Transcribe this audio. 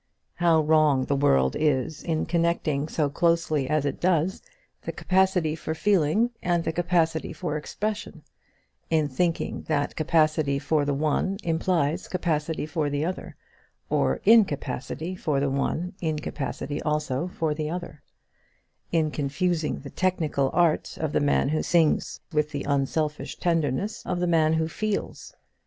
How wrong the world is in connecting so closely as it does the capacity for feeling and the capacity for expression, in thinking that capacity for the one implies capacity for the other, or incapacity for the one incapacity also for the other; in confusing the technical art of the man who sings with the unselfish tenderness of the man who feels!